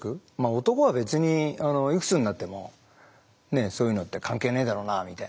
男は別にいくつになってもそういうのって関係ねえだろうなみたいな。